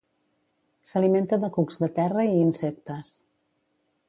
S'alimenta de cucs de terra i insectes.